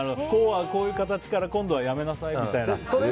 こういう形から今度はやめなさいみたいな。